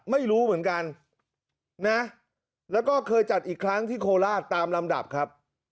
ไม่รู้เหมือนกันนะแล้วก็เคยจัดอีกครั้งที่โคราชตามลำดับครับ